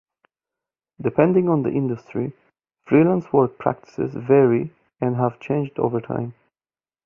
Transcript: Depending on the industry, freelance work practices vary and have changed over time.